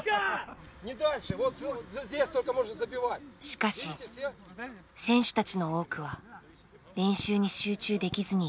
しかし選手たちの多くは練習に集中できずにいた。